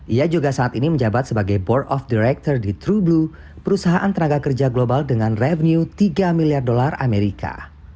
ia juga saat ini menjabat sebagai board of director di true blue perusahaan tenaga kerja global dengan revenue tiga miliar dolar amerika